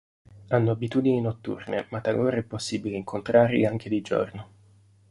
Hanno abitudini notturne, ma talora è possibile incontrarli anche di giorno.